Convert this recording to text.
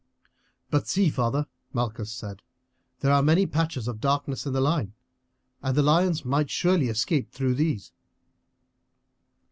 "But see, father!" Malchus said, "there are many patches of darkness in the line, and the lions might surely escape through these."